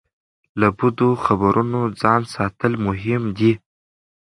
له بدو خبرونو ځان ساتل مهم دي.